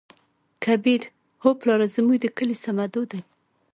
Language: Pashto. کبير : هو پلاره زموږ د کلي صمدو دى.